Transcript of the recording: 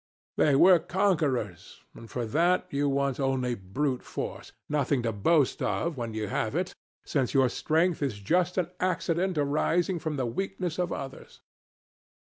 They were conquerors, and for that you want only brute force nothing to boast of, when you have it, since your strength is just an accident arising from the weakness of others.